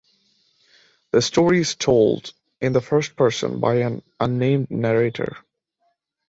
The story is told in the first person by an unnamed narrator.